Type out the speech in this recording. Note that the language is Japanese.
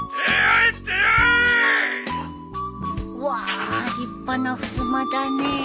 うわー立派なふすまだね。